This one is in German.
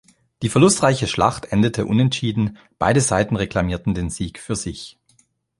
Die verlustreiche Schlacht endete unentschieden, beide Seiten reklamierten den Sieg für sich.